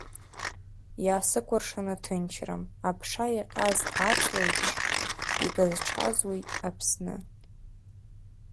Иаасыкәыршаны ҭынчрам, аԥша иаҟьаз аҵлеиԥш, игазҽазуеит Аԥсны!